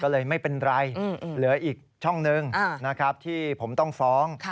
ก็เลยไม่เป็นไรเหลืออีกช่องหนึ่งนะครับที่ผมต้องฟ้อง